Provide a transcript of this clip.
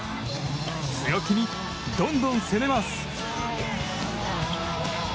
強気にどんどん攻めます。